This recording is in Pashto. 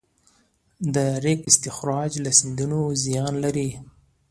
د ریګ استخراج له سیندونو زیان لري؟